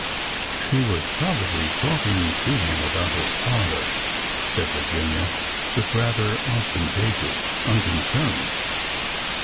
'' She was probably talking to him about her father," said Virginia, with rather ostentatious unconcern.